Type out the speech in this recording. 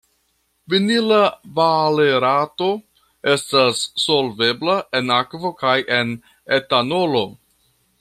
Vinila valerato estas solvebla en akvo kaj en etanolo.